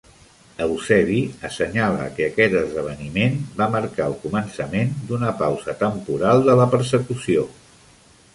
Eusebi assenyala que aquest esdeveniment va marcar el començament d'una pausa temporal de la persecució.